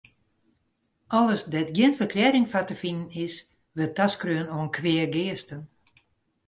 Alles dêr't gjin ferklearring foar te finen is, wurdt taskreaun oan kweageasten.